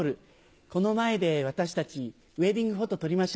この前で私たちウエディングフォト撮りましょ。